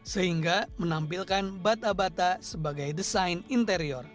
sehingga menampilkan bata bata sebagai desain interior